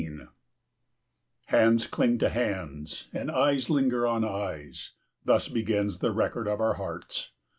16 Hands cling to hands and eyes linger on eyes: thus begins the record of our hearts.